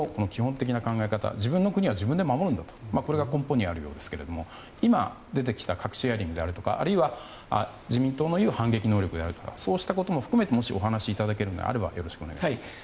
自分の国は自分で守るんだということが根本にあるようですけれども今、出てきた核シェアリングであるとか自民党の言う反撃能力であるとかそうしたことも含めてお話しいただけるのであればお願い致します。